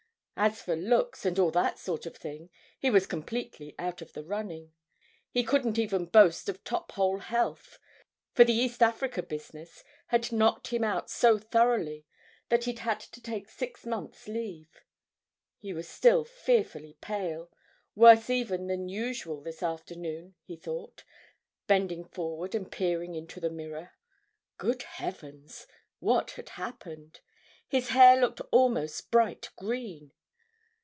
As for looks and all that sort of thing, he was completely out of the running. He couldn't even boast of top hole health, for the East Africa business had knocked him out so thoroughly that he'd had to take six months' leave. He was still fearfully pale—worse even than usual this afternoon, he thought, bending forward and peering into the mirror. Good heavens! What had happened? His hair looked almost bright green.